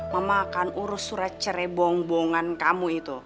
mama akan urus surat cerai bong bongan kamu itu